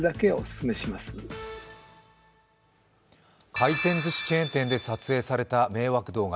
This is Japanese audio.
回転ずしチェーン店で撮影された迷惑動画。